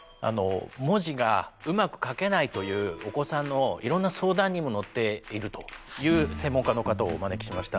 文字がうまく書けないというお子さんのいろんな相談にも乗っているという専門家の方をお招きしました。